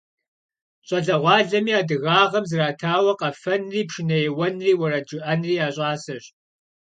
ЩӀалэгъуалэми адыгагъэм зратауэ къэфэнри, пшынэ еуэнри, уэрэд жыӀэнри я щӀасэщ.